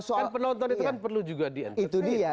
kan penonton itu kan perlu juga di entertain